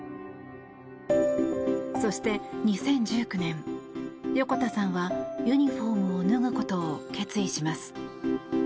そして２０１９年、横田さんはユニホームを脱ぐことを決意します。